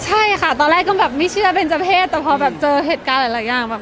ใช่ค่ะตอนแรกก็แบบไม่เชื่อเป็นเจ้าเพศแต่พอแบบเจอเหตุการณ์หลายอย่างแบบ